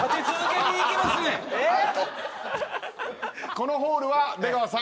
このホールは出川さん